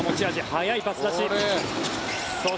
速いパス出し。